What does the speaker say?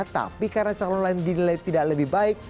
tapi karena calon lain dinilai tidak lebih baik